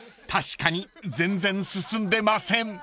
［確かに全然進んでません］